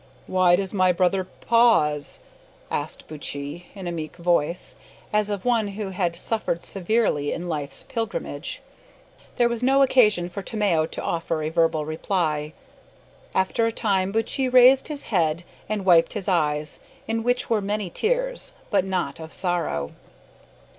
"Why does my brother p pause?" asked Buttchee, in a meek voice as of one who had suffered severely in life's pilgrimage. There was no occasion for Tomeo to offer a verbal reply. After a time Buttchee raised his head and wiped his eyes, in which were many tears but not of sorrow.